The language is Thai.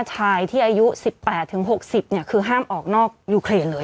ชายที่อายุ๑๘๖๐คือห้ามออกนอกยูเครนเลย